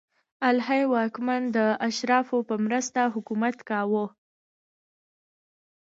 الهي واکمن د اشرافو په مرسته حکومت کاوه.